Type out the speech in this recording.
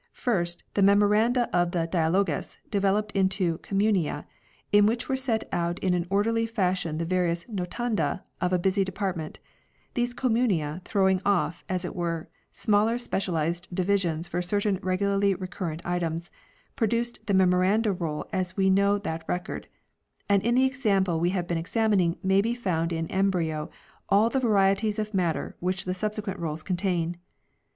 First, the Memoranda of the " Dialogus " developed into " Communia " in which were set out in an orderly fash ion the various " notanda " of a busy department ; these "Communia," throwing off, as it were, smaller special ized divisions for certain regularly recurrent items, produced the Memoranda Roll as we know that record ; and in the example we have been examining may be found in embryo all the varieties of matter which the subsequent rolls contain.